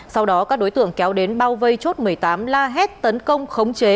sau đó các đối tượng kéo đến bao vây chốt một mươi tám la hét tấn công khống chế